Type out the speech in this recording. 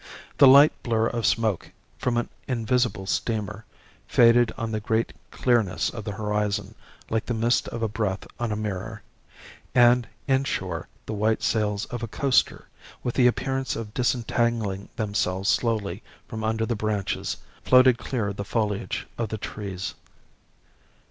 The light blur of smoke, from an invisible steamer, faded on the great clearness of the horizon like the mist of a breath on a mirror; and, inshore, the white sails of a coaster, with the appearance of disentangling themselves slowly from under the branches, floated clear of the foliage of the trees.